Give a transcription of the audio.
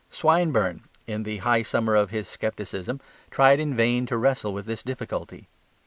Swinburne in the high summer of his scepticism tried in vain to wrestle with this difficulty.